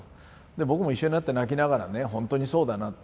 僕も一緒になって泣きながらね「ほんとにそうだな」って。